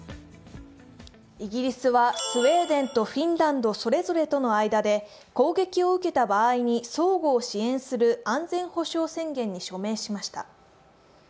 イギリスはスウェーデンとフィンランドそれぞれとの間で攻撃を受けた場合に相互を支援する安全保障宣言に署名しました。